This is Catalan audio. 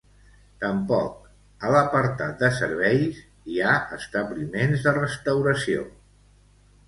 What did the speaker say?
Tampoc, a l'apartat de serveis, hi ha establiments de restauració.